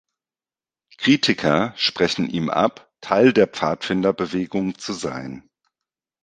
Kritiker sprechen ihm ab, Teil der Pfadfinderbewegung zu sein.